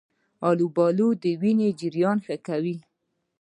آلوبالو د وینې جریان ښه کوي.